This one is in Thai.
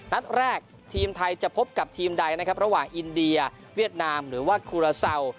นัดแรกทีมไทยจะพบกับทีมใดนะครับระหว่างอินเดียเวียดนามหรือว่าคูลาเซา